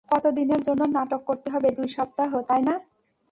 কত দিনের জন্য নাটক করতে হবে, দুই সপ্তাহ, তাই না?